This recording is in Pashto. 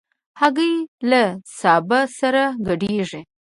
هګۍ له سابه سره ګډېږي.